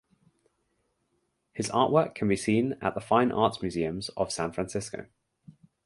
His artwork can be seen at the Fine Arts Museums of San Francisco.